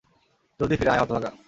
জলদি ফিরে আয়, হতভাগা!